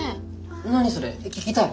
何それ聞きたい。